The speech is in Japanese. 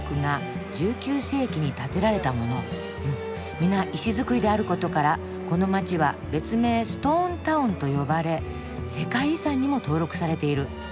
「皆石造りであることからこの街は別名ストーンタウンと呼ばれ世界遺産にも登録されている」。